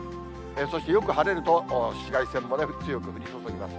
そしてよく晴れると、紫外線も強く降り注ぎます。